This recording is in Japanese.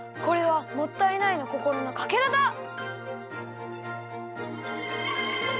これは「もったいない」のこころのかけらだ！